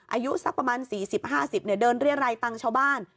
อายุสักประมาณ๔๐๕๐เดินเรียรัยตังชาวบ้าน